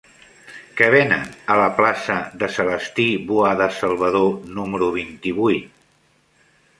Què venen a la plaça de Celestí Boada Salvador número vint-i-vuit?